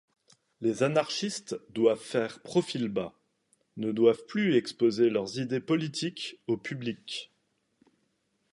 Les anarchistes doivent faire profil-bas, ne doivent plus exposer leurs idées politiques au public.